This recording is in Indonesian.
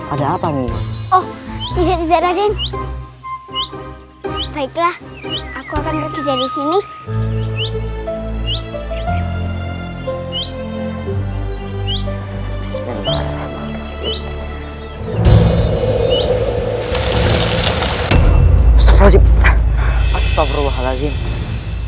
ada apa min oh tidak tidak ladin baiklah aku akan berada disini